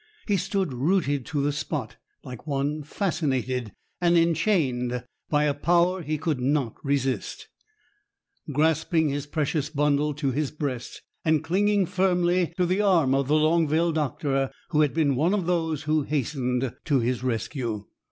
He stood rooted to the spot, like one fascinated and enchained by a power he could not resist, grasping his precious bundle to his breast, and clinging firmly to the arm of the Longville doctor, who had been one of those who hastened to his rescue.